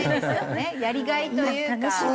やりがいというか。